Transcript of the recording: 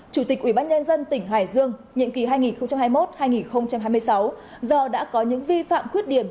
chủ tịch ủy ban nhân dân tỉnh hải dương nhiệm kỳ hai nghìn hai mươi một hai nghìn hai mươi sáu do đã có những vi phạm khuyết điểm